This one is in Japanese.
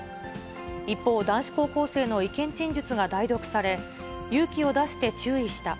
一方、男子高校生の意見陳述が代読され、勇気を出して注意した。